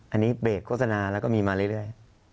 อันนี้เบรกโฆษณาแล้วก็มีมาเรื่อย